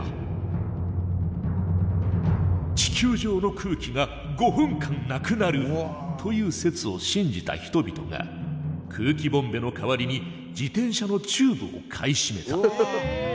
「地球上の空気が５分間なくなる」という説を信じた人々が空気ボンベの代わりに自転車のチューブを買い占めた。